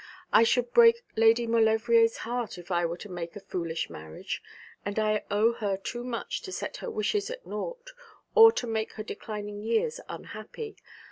I should break Lady Maulevrier's heart if I were to make a foolish marriage; and I owe her too much to set her wishes at naught, or to make her declining years unhappy.